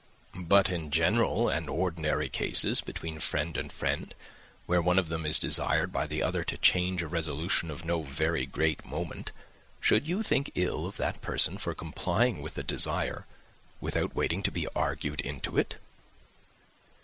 But in general and ordinary cases, between friend and friend, where one of them is desired by the other to change a resolution of no very great moment, should you think ill of that person for complying with the desire, without waiting to be argued into it?"